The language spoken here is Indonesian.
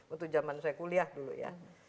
untuk zaman saya kuliah dulu ya